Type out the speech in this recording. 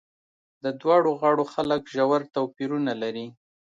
د دواړو غاړو خلک ژور توپیرونه لري.